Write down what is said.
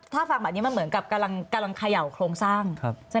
ถ้าฟังแบบนี้มันเหมือนกับกำลังเขย่าโครงสร้าง